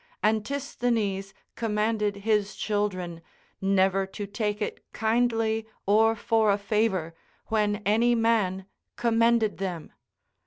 Antisthenes commanded his children never to take it kindly or for a favour, when any man commended them.